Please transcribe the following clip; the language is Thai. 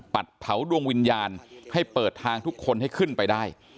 เผาดวงวิญญาณให้เปิดทางทุกคนให้ขึ้นไปได้